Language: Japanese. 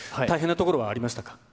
大変なところはありましたか。